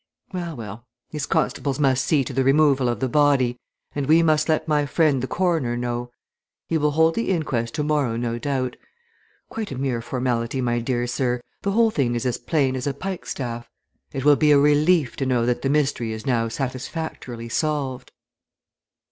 Well, well, these constables must see to the removal of the body, and we must let my friend the coroner know he will hold the inquest tomorrow, no doubt. Quite a mere formality, my dear sir! the whole thing is as plain as a pikestaff. It will be a relief to know that the mystery is now satisfactorily solved."